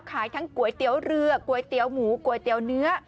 ขายทั้งก๋วยเตี๋ยวเรือก๋วยเตี๋ยวหมูก๋วยเตี๋ยวเนื้อ